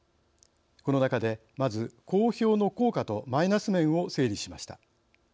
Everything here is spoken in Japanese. この中で、まず公表の効果とマイナス面を整理しました。